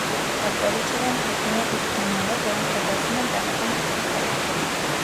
Վալպոլիչելան հայտնի է իր գինիներով, որոնք պատրաստվում են տեղական տեխնիկայով։